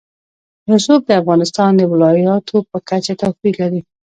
رسوب د افغانستان د ولایاتو په کچه توپیر لري.